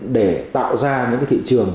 để tạo ra những thị trường